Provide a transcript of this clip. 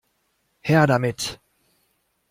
Her damit!